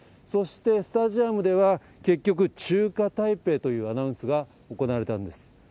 そしてスタジアムでは、結局、中華台北というアナウンスが行われたんです。